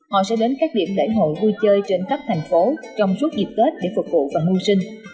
họ sẽ đến các điểm lễ hội vui chơi trên khắp thành phố trong suốt dịp tết để phục vụ và mưu sinh